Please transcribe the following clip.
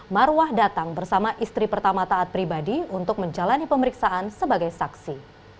marwah datang bersama istri pertama taat pribadi untuk menjalani pemeriksaan sebagai saksi